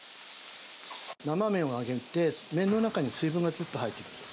生麺を揚げて、麺の中に水分がちょっと入っていきます。